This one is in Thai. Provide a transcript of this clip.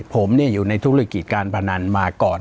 ผมอยู่ในธุรกิจการพนันมาก่อน